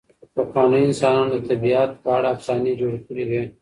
پخوانیو انسانانو د طبیعت په اړه افسانې جوړې کړې وې.